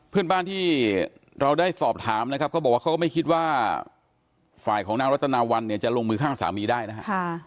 เพื่อนบ้านที่เราได้สอบถามนะครับเขาบอกว่าเขาก็ไม่คิดว่าฝ่ายของนางรัตนาวันเนี่ยจะลงมือฆ่าสามีได้นะครับ